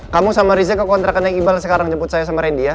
kamu sama riza ke kontrakan naik ibal sekarang jemput saya sama randy ya